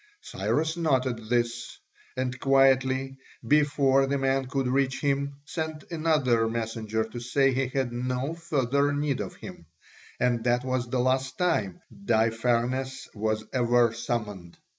Cyrus noted this, and quietly, before the man could reach him, sent another messenger to say he had no further need of him; and that was the last time Daïpharnes was ever summoned.